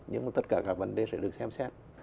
nhưng mà tất cả các vấn đề sẽ được xem xét